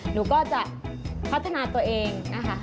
หนูก็จะพัฒนาตัวเองนะคะ